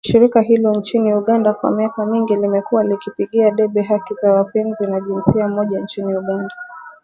Shirika hilo nchini Uganda kwa miaka mingi limekuwa likipigia debe haki za wapenzi wa jinsia moja nchini Uganda